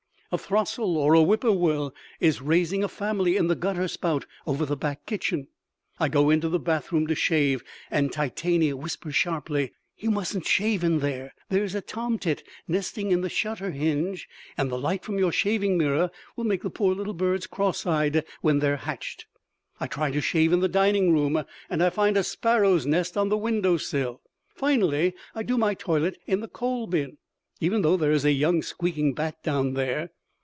A throstle or a whippoorwill is raising a family in the gutter spout over the back kitchen. I go into the bathroom to shave and Titania whispers sharply, "You mustn't shave in there. There's a tomtit nesting in the shutter hinge and the light from your shaving mirror will make the poor little birds crosseyed when they're hatched." I try to shave in the dining room and I find a sparrow's nest on the window sill. Finally I do my toilet in the coal bin, even though there is a young squeaking bat down there.